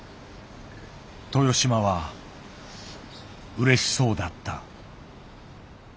豊島はうれしそうだった。